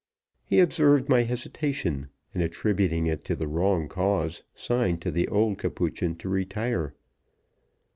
He observed my hesitation, and attributing it to the wrong cause, signed to the old Capuchin to retire.